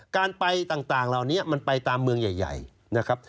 การไปต่างเหล่านี้มันไปตามเมืองใหญ่นะครับ